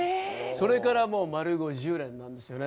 それからもう丸５０年なんですよね。